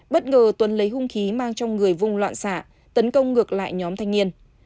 bất ngờ tuấn lấy hung khí mang trong người vung loạn xạ tấn công ngược lại nhóm thanh niên